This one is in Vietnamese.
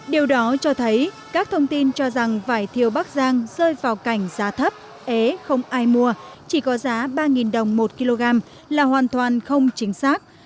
điều đó cho thấy các thông tin cho rằng vải thiều bắc giang rơi vào cảnh giá thấp ế không ai mua chỉ có giá ba đồng một kg là hoàn toàn không chính xác